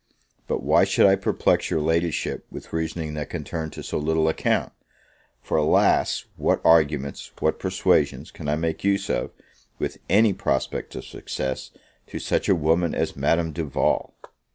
But why should I perplex your Ladyship with reasoning that can turn to so little account? for, alas! what arguments, what persuasions, can I make use of, with any prospect of success, to such a woman as Madame Duval?